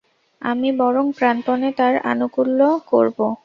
আমি বরং প্রাণপণে তার আনুকূল্য করব।